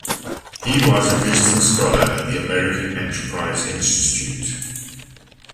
He was a visiting scholar at the American Enterprise Institute.